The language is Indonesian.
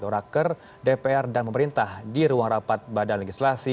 raker dpr dan pemerintah di ruang rapat badan legislasi